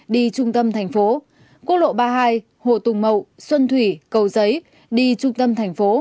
đi trung tâm thành phố quốc lộ ba mươi hai hồ tùng mậu xuân thủy cầu giấy đi trung tâm thành phố